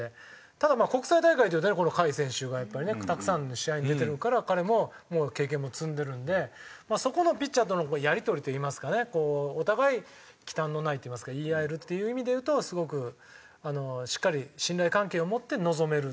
ただまあ国際大会ではね甲斐選手がやっぱりねたくさんの試合に出てるから彼も経験も積んでるんでそこのピッチャーとのやり取りといいますかねお互い忌憚のないと言いますか言い合えるっていう意味でいうとすごくしっかり信頼関係を持って臨める。